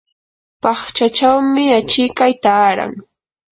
paqchachawmi achikay taaran.